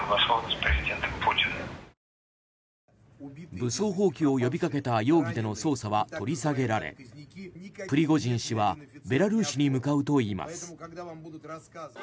武装蜂起を呼びかけた容疑での捜査は取り下げられプリゴジン氏はベラルーシに向かうといいます。